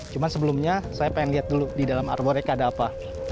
cuma sebelumnya saya pengen lihat dulu di dalam arboreka ada apa